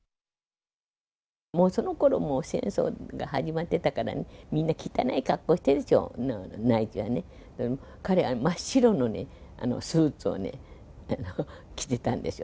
もうそのころ、もう戦争が始まってたからね、みんな汚い格好してるでしょ、彼は真っ白のスーツをね、着てたんですよ。